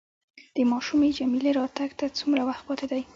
د ماشومې جميله راتګ ته څومره وخت پاتې دی؟